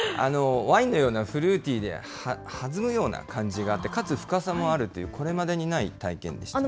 ワインのようなフルーティーで、弾むような感じがあって、かつ深さもあるという、これまでにない体験でした。